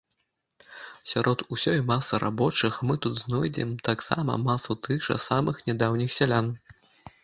Сярод усёй масы рабочых мы тут знойдзем таксама масу тых жа самых нядаўніх сялян.